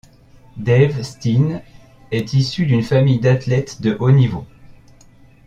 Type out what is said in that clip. Dave Steen est issu d'un famille d'athlètes de haut niveau.